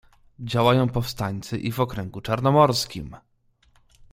"Działają powstańcy i w okręgu Czarnomorskim."